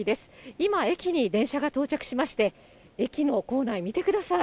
今、駅に電車が到着しまして、駅の構内、見てください。